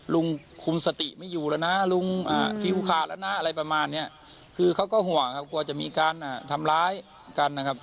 ลุงคุมสติไม่อยู่แล้วนะลุงผิวขาดแล้วนะอะไรประมาณเนี้ยคือเขาก็ห่วงครับกลัวจะมีการทำร้ายกันนะครับ